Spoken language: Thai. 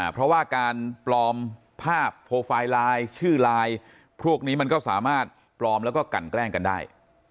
เพราะว่าการปลอมภาพโปรไฟล์ไลน์ชื่อไลน์พวกนี้มันก็สามารถปลอมแล้วก็กันแกล้งกันได้